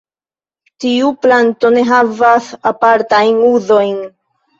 Tiu planto ne havas apartajn uzojn.